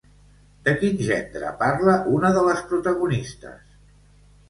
De quin gendre parla una de les protagonistes?